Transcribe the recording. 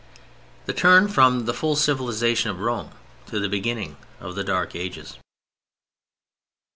The turn from the full civilization of Rome to the beginning of the Dark Ages.